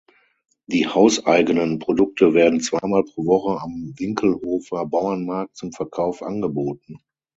Die hauseigenen Produkte werden zweimal pro Woche am Winklhofer Bauernmarkt zum Verkauf angeboten.